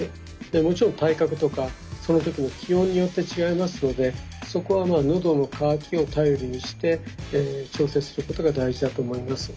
もちろん体格とかその時の気温によって違いますのでそこはのどの渇きを頼りにして調整することが大事だと思います。